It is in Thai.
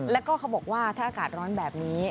แล้วก็เขาบอกว่าถ้าอากาศร้อนแบบนี้